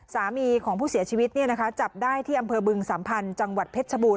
สามีของผู้เสียชีวิตจับได้ที่อำเภอบึงสัมพันธ์จังหวัดเพชรชบูร